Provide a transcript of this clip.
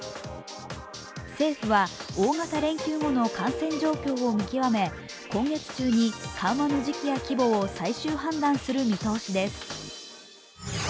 政府は大型連休後の感染状況を見極め今月中に緩和の時期や規模を最終判断する見通しです。